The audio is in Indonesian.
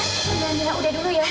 mila mila udah dulu ya